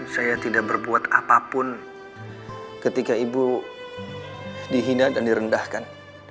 saya tidak berbuat apapun ketika ibu dihina dan direndahkan